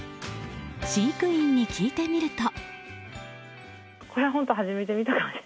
飼育員に聞いてみると。